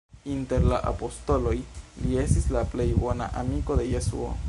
Inter la apostoloj, li estis la plej bona amiko de Jesuo.